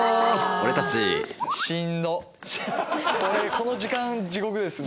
この時間地獄ですね。